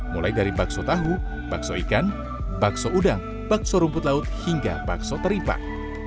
mulai dari bakso tahu bakso ikan bakso udang bakso rumput laut hingga bakso teripak